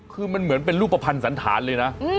คือมันเหมือนเป็นรูปภัณฑ์สันธารเลยนะ